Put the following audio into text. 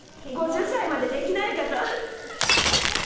５０歳までできないかと。